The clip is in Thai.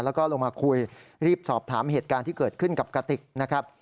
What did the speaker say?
แล้วก็ลงมาคุยรีบสอบถามเหตุการณ์ที่เกิดขึ้นกับกติกนะครับ